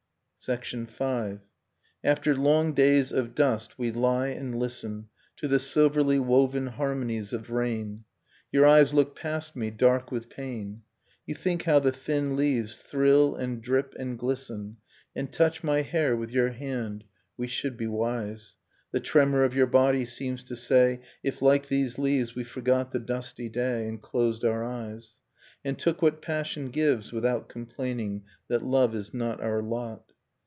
V. I After long days of dust we lie and listen To the silverly woven harmonies of rain, Your eyes look past me, dark with pain. You think how the thin leaves thrill and drip and , glisten, j And touch my hair with your hand ... We should j be wise, — The tremor of your body seems to say, — If like these leaves we forgot the dusty day; And closed our eyes, And took what passion gives, without complaining That love is not our lot.